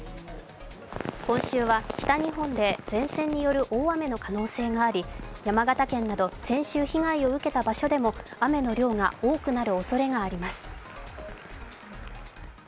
今週は北日本で前線による大雨の可能性があり山形県など先週被害を受けた場所でも雨の量が多くなるおそれがあります。